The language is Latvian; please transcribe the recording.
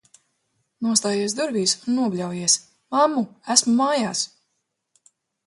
Nostājies durvīs un nobļaujies: "Mammu, esmu mājās!"